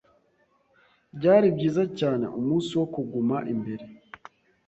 Byari byiza cyane umunsi wo kuguma imbere.